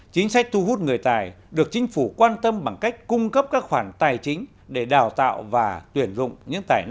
chính sách thu hút người tài được chính phủ quan tâm bằng cách cung cấp các khoản tài chính để đào tạo và tuyển dụng những tài năng